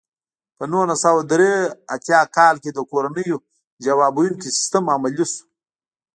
په نولس سوه درې اتیا کال کې د کورنیو ځواب ویونکی سیستم عملي شو.